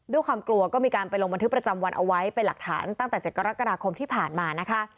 ด้วยความกลัวก็มีการไปลงบันทึกประจำวันเอาไว้เป็นหลักฐานตั้งแต่๗กรกฎาคมที่ผ่านมานะคะ